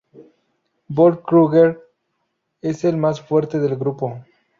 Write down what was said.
Volt Krueger: Es el más fuerte del grupo.